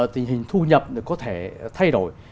tình hình thu nhập có thể thay đổi